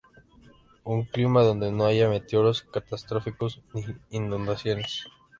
Un clima donde no haya meteoros catastróficos ni inundaciones.